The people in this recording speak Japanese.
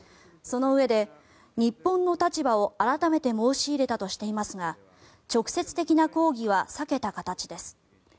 そのうえで、日本の立場を改めて申し入れたとしていますが直接的な抗議は避けた形です。